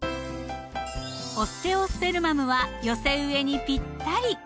オステオスペルマムは寄せ植えにぴったり！